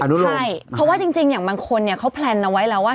ใช่เพราะว่าจริงอย่างบางคนเขาแพลนเอาไว้แล้วว่า